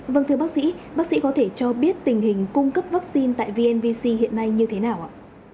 vâng thưa bác sĩ bác sĩ có thể cho biết tình hình cung cấp vaccine tại vnvc hiện nay như thế nào ạ